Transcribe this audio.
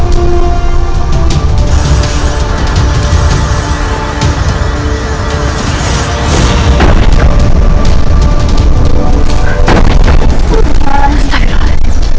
tidak ada yang bisa dipercaya